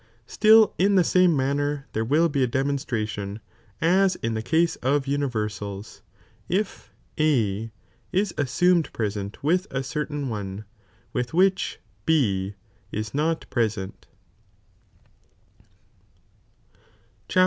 Still in the same man ner there will be u demonstration, aa in the case of universal^ if A is assumed present with a certain one, with which B ii not present Chap.